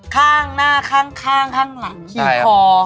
ข้างหน้าข้างข้างข้างหลัง